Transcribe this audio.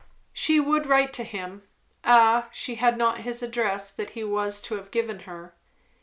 She would write to him. Ah, she had not his address, that he was to have given her.